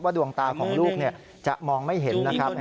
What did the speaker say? ดวงตาของลูกจะมองไม่เห็นนะครับ